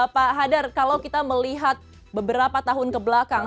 pak hadar kalau kita melihat beberapa tahun kebelakang